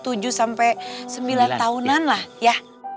tujuh sampai sembilan tahunan lah ya